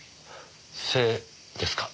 背ですか？